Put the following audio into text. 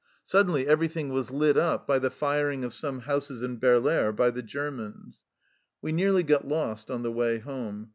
Suddenly everything was lit up by the firing of some houses in Berleare by the Germans. " We nearly got lost on the way home.